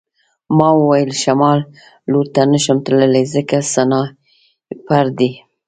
ما وویل شمال لور ته نشم تللی ځکه سنایپر دی